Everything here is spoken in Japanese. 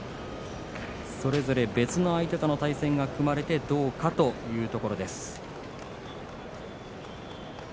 それぞれ別の相手との対戦が組まれてどうかというところです。